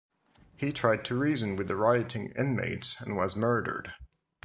He tried to reason with the rioting inmates and was murdered.